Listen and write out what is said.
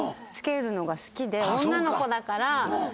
女の子だから。